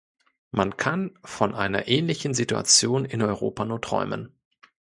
Man kann von einer ähnlichen Situation in Europa nur träumen.